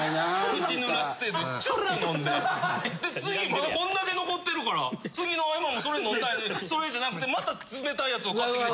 口濡らす程度にちょっと飲んでで次まだこんだけ残ってるから次の合間もそれ飲んだらええのにそれじゃなくてまた冷たいやつを買ってきて。